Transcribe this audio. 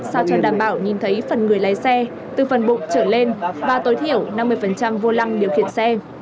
sao cho đảm bảo nhìn thấy phần người lái xe từ phần bụng trở lên và tối thiểu năm mươi vô lăng điều khiển xe